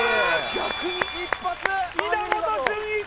・逆に１発稲本潤一